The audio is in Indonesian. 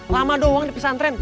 lama doang di pesantren